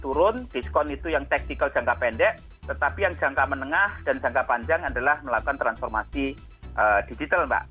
turun diskon itu yang tactical jangka pendek tetapi yang jangka menengah dan jangka panjang adalah melakukan transformasi digital mbak